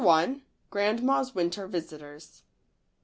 grandma's winter visitors.